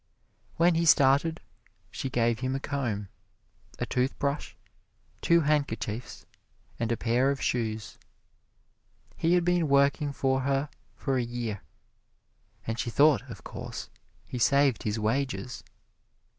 When he started she gave him a comb, a toothbrush, two handkerchiefs and a pair of shoes. He had been working for her for a year, and she thought, of course, he saved his wages.